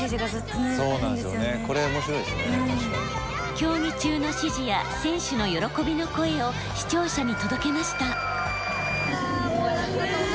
競技中の指示や選手の喜びの声を視聴者に届けました。